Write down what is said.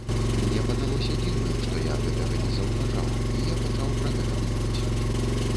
Мне падалося дзіўным, што я гэтага не заўважаў, і я пачаў пра гэта думаць.